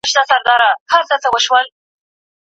پلان جوړونه د متخصصينو لخوا په نښه کېږي.